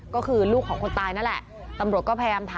ก็คือลูกของคนตายนั่นแหละตำรวจก็พยายามถาม